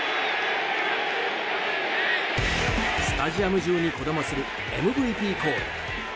スタジアム中にこだまするＭＶＰコール。